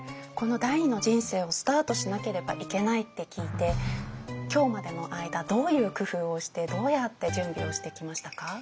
この第２の人生をスタートしなければいけないって聞いて今日までの間どういう工夫をしてどうやって準備をしてきましたか？